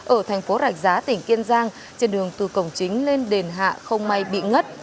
ở thành phố rạch giá tỉnh kiên giang trên đường từ cổng chính lên đền hạ không may bị ngất